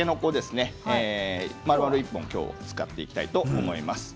まるまる１本、今日は使っていきたいと思います。